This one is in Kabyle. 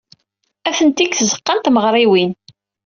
Atenti deg tzeɣɣa n tmeɣriwin.